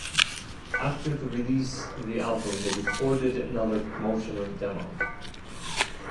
After the release of the album they recorded another promotional demo.